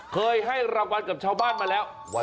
เคยให้รางวัลกับชาวบ้านมาแล้ว